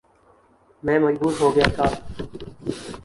میں مجبور ہو گیا تھا